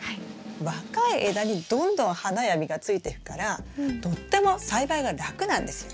若い枝にどんどん花や実がついていくからとっても栽培が楽なんですよ。